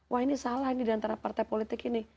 wah ini salah ini diantara partai politik ini